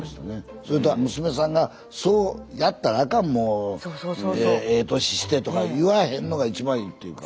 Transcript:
それと娘さんが「そうやったらあかんもうええ年して」とか言わへんのが一番いいというか。